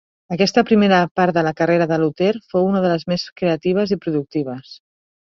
Aquesta primera part de la carrera de Luther fou una de les més creatives i productives.